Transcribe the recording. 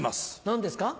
何ですか？